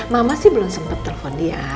mama sih belum sempat telepon dia